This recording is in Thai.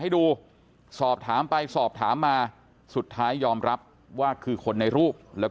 ให้ดูสอบถามไปสอบถามมาสุดท้ายยอมรับว่าคือคนในรูปแล้ว